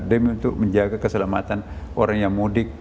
demi untuk menjaga keselamatan orang yang mudik